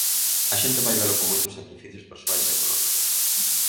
A xente vai velo con moitos sacrificios persoais e económicos.